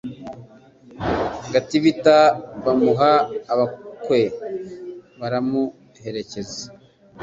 Gatibita bamuha abakwe baramuherekeza